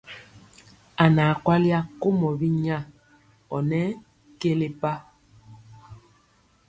A naa kwali akomɔ binya ɔ nɔ kelepa.